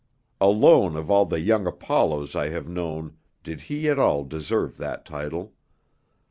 Alone of all the 'young Apollos' I have known did he at all deserve that title.